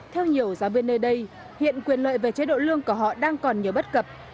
theo nhiều giáo viên nơi đây hiện quyền lợi về chế độ lương của họ đang còn nhiều bất cập